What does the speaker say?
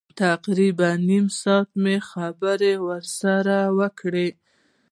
تقریبا نیم ساعت مو خبرې سره وکړې.